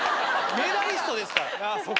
メダリストですから。